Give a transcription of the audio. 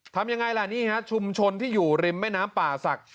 ทำยังไงล่ะนี่ฮะชุมชนที่อยู่ริมแม่น้ำป่าศักดิ